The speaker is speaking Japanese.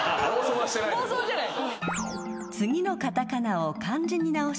暴走じゃない。